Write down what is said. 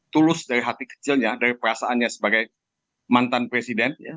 tulus dari hati kecilnya dari perasaannya sebagai mantan presiden